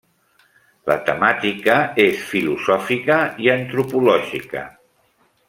La temàtica és filosòfica i antropològica.